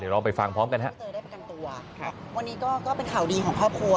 วันนี้เป็นข่าวดีของครอบครัว